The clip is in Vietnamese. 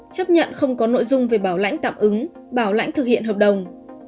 chấp nhận không có nội dung về bảo lãnh tạm ứng bảo lãnh thực hiện hợp đồng